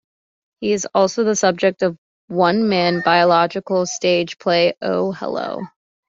He is also the subject of one-man biographical stage play, Oh, Hello!